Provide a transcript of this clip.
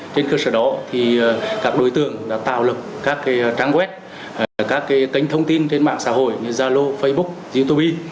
trên cơ sở đó các đối tượng đã tạo lập các trang web các kênh thông tin trên mạng xã hội như zalo facebook youtube